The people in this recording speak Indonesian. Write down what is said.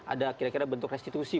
ada kira kira bentuk restitusi